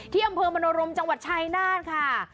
ที่อำเภอมโนรมจังหวัดชายนาฏค่ะ